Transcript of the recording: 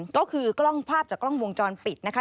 ก็คือกล้องภาพจากกล้องวงจรปิดนะคะ